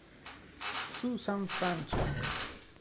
Susan Francia